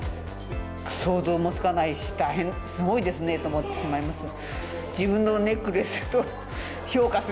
想像もつかないし、大変すごいですねと思ってしまいます。